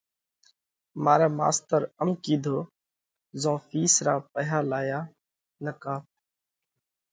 مارئہ ماستر ام ڪِيڌوه: زون فِيس را پئِيها ليايا نڪا